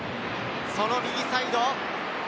その右サイド。